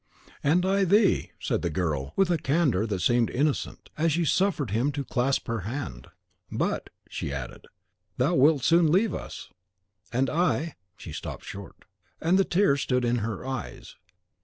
"And I thee!" said the girl, with a candour that seemed innocent, as she suffered him to clasp her hand. "But," she added, "thou wilt soon leave us; and I " She stopped short, and the tears stood in her eyes.